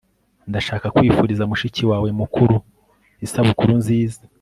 ndashaka kwifuriza mushiki wawe mukuru isabukuru nziza